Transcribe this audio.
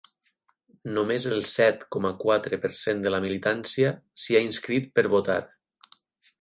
Només el set coma quatre per cent de la militància s’hi ha inscrit per votar.